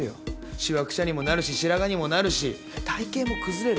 しわくちゃにもなるし白髪にもなるし体形も崩れる。